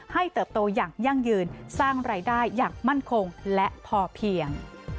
เติบโตอย่างยั่งยืนสร้างรายได้อย่างมั่นคงและพอเพียง